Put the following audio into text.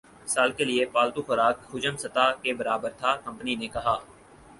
سال کے لیے پالتو خوراک حجم سطح کے برابر تھا کمپنی نے کہا